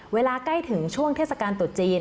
เวลาใกล้ถึงช่วงเทศกาลตุดจีน